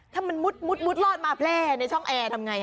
ถ้ามันมุดรอดมาแพร่ในช่องแอร์ทำไง